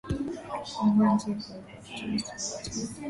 Kufungua njia kwa watu wote